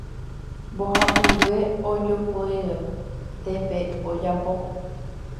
Mbohapyve ojoypypete ojogapo.